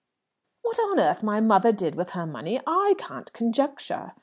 "What the What on earth my mother did with her money I can't conjecture!"